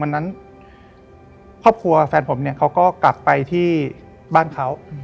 วันนั้นครอบครัวแฟนผมกลับไปที่บ้านเค้า